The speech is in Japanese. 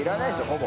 ほぼ。